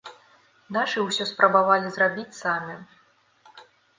Нашы ўсё спрабавалі зрабіць самі.